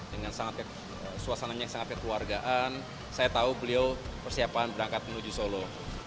dengan suasananya yang sangat kekeluargaan saya tahu beliau persiapan berangkat menuju solo